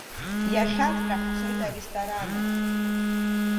Иахьаҵәҟьа ҳцоит аресторан ахь.